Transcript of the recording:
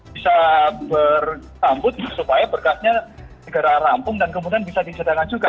bisa bertambut supaya berkasnya negara rampung dan kemudian bisa disidangkan juga